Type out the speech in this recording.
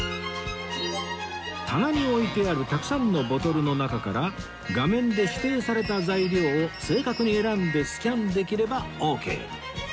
棚に置いてあるたくさんのボトルの中から画面で指定された材料を正確に選んでスキャンできればオーケー